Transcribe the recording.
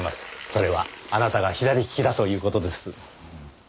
それはあなたが左利きだという事です。